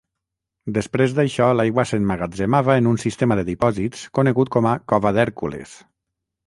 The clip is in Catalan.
Després d'això, l'aigua s'emmagatzemava en un sistema de dipòsits conegut com a Cova d'Hèrcules.